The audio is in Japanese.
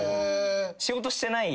仕事してない。